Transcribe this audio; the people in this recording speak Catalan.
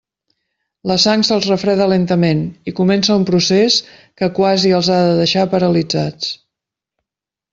La sang se'ls refreda lentament i comença un procés que quasi els ha de deixar paralitzats.